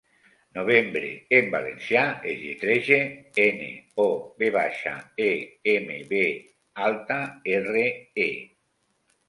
'Novembre', en valencià es lletreja: ene, o, ve baixa, e, eme, be alta, erre, e.